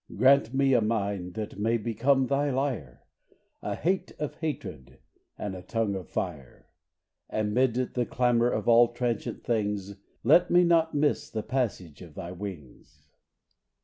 Grant me a mind that may become thy lyre, A hate of hatred and a tongue of fire; And mid the clamour of all transient things Let me not miss the passage of thy wings.